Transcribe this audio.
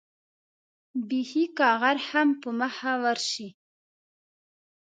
بېخي که غر هم په مخه ورشي.